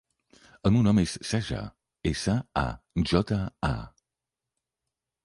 El meu nom és Saja: essa, a, jota, a.